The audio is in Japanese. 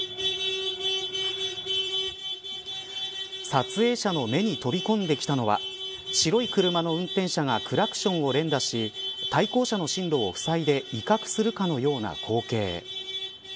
撮影者の目に飛び込んできたのは白い車の運転者がクラクションを連打し対向車の進路をふさいで威嚇するかのような光景。